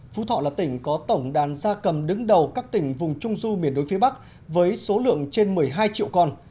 phú thọ là tỉnh có tổng đàn gia cầm đứng đầu các tỉnh vùng trung du miền núi phía bắc với số lượng trên một mươi hai triệu con